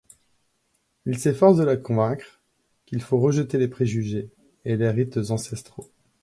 Il s'efforce de la convaincre qu'il faut rejeter les préjugés et les rites ancestraux.